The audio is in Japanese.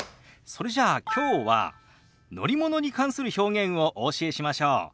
それじゃあきょうは乗り物に関する表現をお教えしましょう。